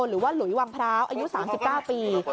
หรือว่าหลุยวังพร้าวอายุ๓๙ปี